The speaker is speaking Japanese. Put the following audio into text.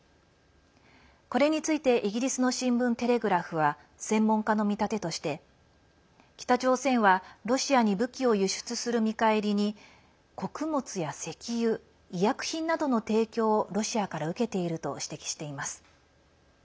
これについてイギリスの新聞テレグラフは専門家の見立てとして北朝鮮はロシアに武器を輸出する見返りに穀物や石油、医薬品などの提供を受けていると指摘しています。